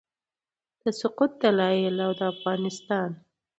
د سقوط دلایل او د افغانستان